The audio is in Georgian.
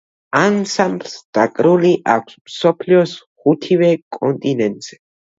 ანსამბლს დაკრული აქვს მსოფლიოს ხუთივე კონტინენტზე.